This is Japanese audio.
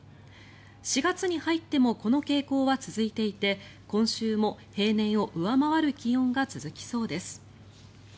４月に入ってもこの傾向は続いていて今週も平年を上回る気温が続きそうです。